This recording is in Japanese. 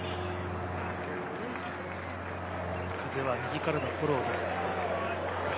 風は右からのフォローです。